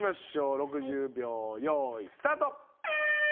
６０秒よいスタート！